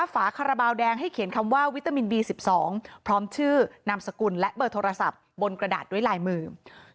ฝาคาราบาลแดงให้เขียนคำว่าวิตามินบี๑๒พร้อมชื่อนามสกุลและเบอร์โทรศัพท์บนกระดาษด้วยลายมือ